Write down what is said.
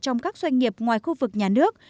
trong các doanh nghiệp ngoài khu vực nhà nước